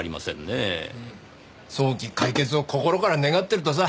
早期解決を心から願っているとさ。